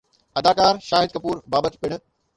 اداڪار شاهد ڪپور بابت پڻ